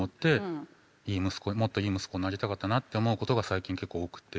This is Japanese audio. いい息子もっといい息子になりたかったなって思うことが最近結構多くて。